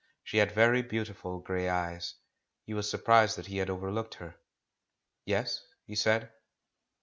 She had very beautiful grey eyes; he was surprised that he had overlooked her. "Yes?" he said.